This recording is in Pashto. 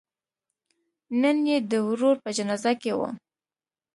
نن یې د ورور په جنازه کې و.